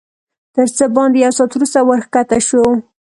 تر څه باندې یو ساعت وروسته ورښکته شوو.